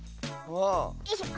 よいしょ。